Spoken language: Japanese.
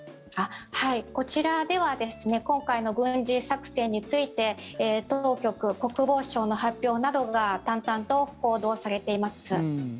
こちらでは今回の軍事作戦について当局、国防省の発表などが淡々と報道されています。